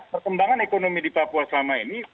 perkembangan ekonomi di papua selama ini